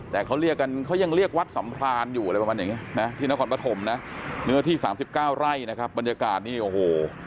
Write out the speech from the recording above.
แต่เขายังเรียกวัดสำพรานอยู่ที่นครปฐมเนื้อที่๓๙ไร่บรรยากาศนี่โอ้โห